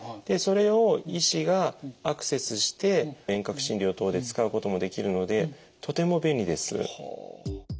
でそれを医師がアクセスして遠隔診療等で使うこともできるのでとても便利です。